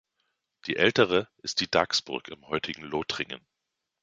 Die ältere ist die Dagsburg im heutigen Lothringen.